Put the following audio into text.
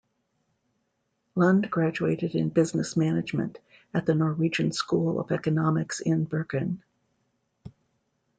Lund graduated in business management at the Norwegian School of Economics in Bergen.